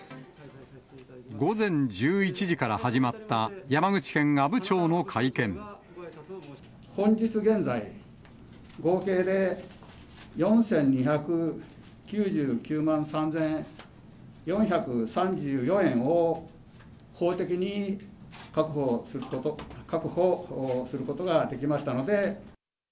午前１１時から始まった、本日現在、合計で４２９９万３４３４円を法的に確保することができましたので。